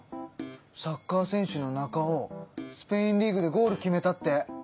サッカー選手のナカオスペインリーグでゴール決めたって！